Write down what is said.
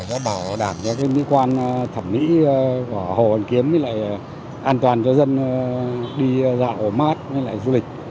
có bảo đảm cho cái mỹ quan thẩm mỹ của hồ văn kiếm với lại an toàn cho dân đi dạo hồ mát với lại du lịch